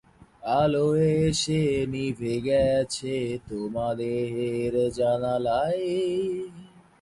অবধূত একজন বাঙালি লেখক।